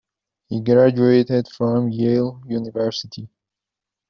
He graduated from Yale University.